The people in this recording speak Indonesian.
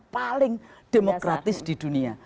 paling demokratis di dunia